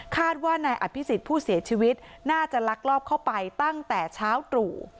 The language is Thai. ว่านายอภิษฎผู้เสียชีวิตน่าจะลักลอบเข้าไปตั้งแต่เช้าตรู่